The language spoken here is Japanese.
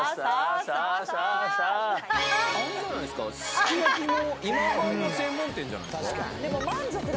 すき焼も今半も専門店じゃないですか。